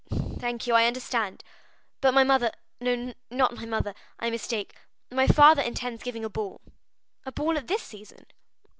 "Thank you, I understand. But my mother—no, not my mother; I mistake—my father intends giving a ball." "A ball at this season?"